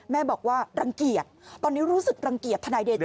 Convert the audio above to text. แม่บอกว่ารังเกียจตอนนี้รู้สึกรังเกียจทนายเดชา